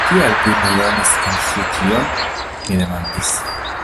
Kial vi ne donas al ŝi ĉion? mi demandis.